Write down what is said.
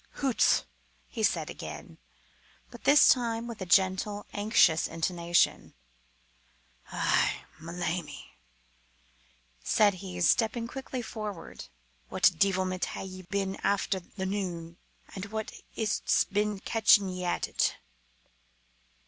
"Hoots!" he said again, but this time with a gentle, anxious intonation. "Eh! ma lammie," said he, stepping quickly forward, "what deevilment hae ye been after the noo, and wha is't's been catching ye at it?"